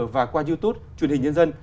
và qua youtube truyền hình nhân dân